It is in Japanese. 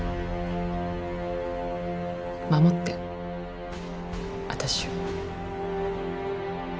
護って私を。